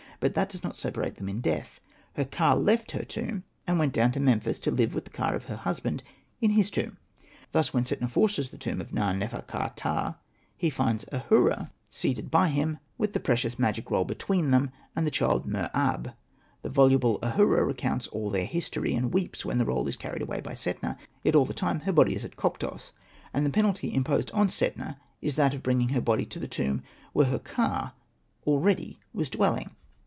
But that does not separate them in death ; her ka left her tomb and went down to Memphis to live with the ka of her husband in his tomb. Thus, when Setna forces the tomb of Na.nefer.ka.ptah, he finds Ahura seated by Hosted by Google 124 SETNA AND THE MAGIC BOOK him with the precious magic roll between them and the child Mer ab ; and the voluble Ahura recounts all their history, and weeps when the roll is carried away by Setna. Yet all the time her body is at Koptos, and the penalty imposed on Setna is that of bringing her body to the tomb where her ka already was dwelling.